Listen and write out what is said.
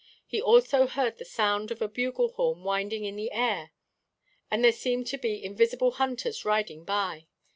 He also heard the sound of a bugle horn winding in the air, and there seemed to be invisible hunters riding by.